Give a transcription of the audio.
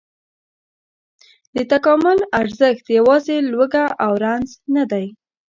د تکامل ارزښت یواځې لوږه او رنځ نه دی.